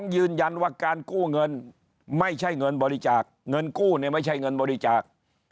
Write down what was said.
ยืนยันว่าการกู้เงินไม่ใช่เงินบริจาคเงินกู้เนี่ยไม่ใช่เงินบริจาค